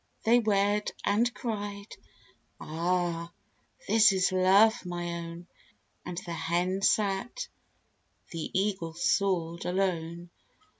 They wed, and cried, "Ah, this is Love, my own!" And the Hen sat, the Eagle soared, alone.